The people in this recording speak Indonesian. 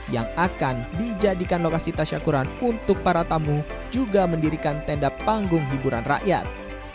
yang akan dijadikan lokasi tasyakuran untuk para tamu juga mendirikan tenda panggung hiburan rakyat